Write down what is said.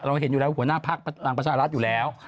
เราเห็นอยู่แล้วผู้หน้าภักรรมประชาลรัฐอยู่แล้ว